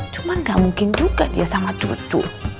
cuma gak mungkin juga dia sama cucu